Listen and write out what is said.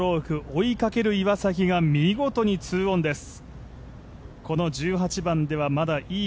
追いかける岩崎が見事に２オンです。